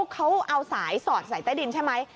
เขาเอาสายสอดใส่ใต้ดินใช่ไหม